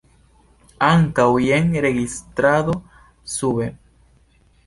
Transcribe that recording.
Ankaŭ jen registrado sube.